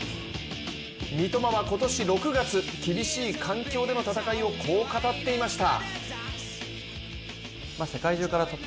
三笘は今年６月、厳しい環境での戦いをこう語っていました。